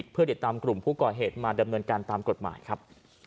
เพื่อติดตามกลุ่มผู้ก่อเหตุมาดำเนินการตามกฎหมายครับ